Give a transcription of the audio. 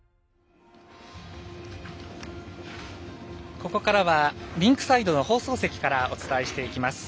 ここからはリンクサイドの放送席からお伝えしていきます。